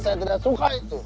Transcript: saya tidak suka itu